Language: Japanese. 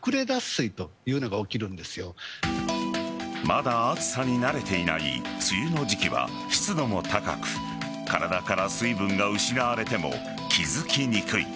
まだ暑さに慣れていない梅雨の時期は湿度も高く体から水分が失われても気づきにくい。